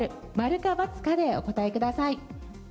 〇か×かでお答えください。